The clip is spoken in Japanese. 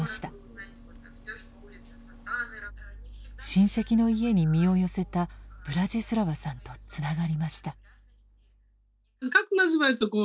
親戚の家に身を寄せたブラジスラワさんとつながりました。